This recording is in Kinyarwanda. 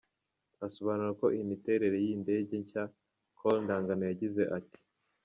Asobanura ku miterere y’iyi ndege nshya, Col Ndagano yagize ati:.